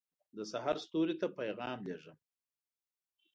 دسحرستوري ته پیغام لېږم